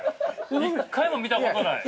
一回も見たことない。